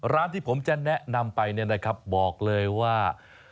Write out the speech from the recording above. ร้านที่ผมจะแนะนำไปเนี่ยนะครับบอกเลยว่า